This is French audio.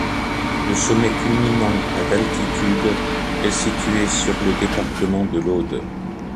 Le sommet culminant à d'altitude est situé sur le département de l'Aude.